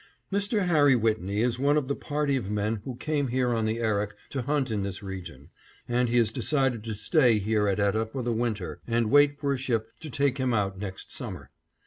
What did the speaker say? Mr. Harry Whitney is one of the party of men who came here on the Erik to hunt in this region, and he has decided to stay here at Etah for the winter and wait for a ship to take him out next summer.